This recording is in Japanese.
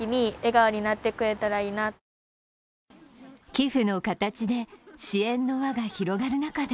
寄付の形で支援の輪が広がる中で